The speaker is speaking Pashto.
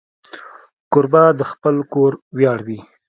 کوربه د خپل کور ویاړ وي.